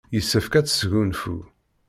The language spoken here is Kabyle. Yessefk ad tesgunfu.